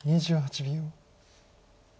２８秒。